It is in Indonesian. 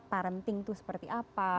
parenting tuh seperti apa